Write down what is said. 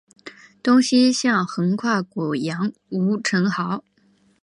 东西向横跨古杨吴城壕。